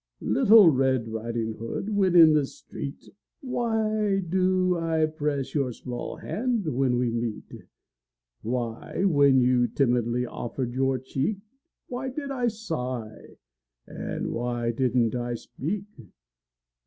Little Red Riding Hood, when in the street, Why do I press your small hand when we meet? Why, when you timidly offered your cheek, Why did I sigh, and why didn't I speak?